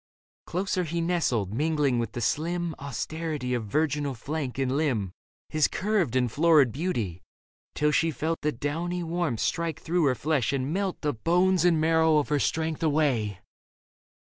Closer he nestled, mingling with the slim Austerity of virginal flank and limb His curved and florid beauty, till she felt That downy warmth strike through her flesh and melt The bones and marrow of her strength away.